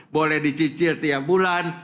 boleh dicicil tiap bulan